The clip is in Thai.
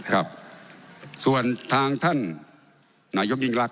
ครับส่วนทางท่านนายกยิ่งรัก